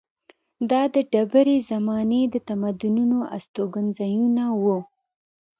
دا د ډبرې زمانې د تمدنونو استوګنځایونه وو.